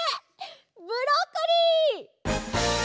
ブロッコリー！